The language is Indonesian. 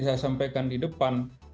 saya sampaikan di depan